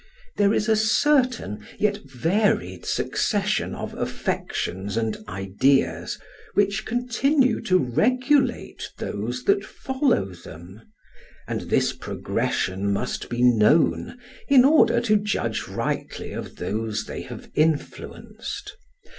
There is a certain, yet varied succession of affections and ideas, which continue to regulate those that follow them, and this progression must be known in order to judge rightly of those they have influenced.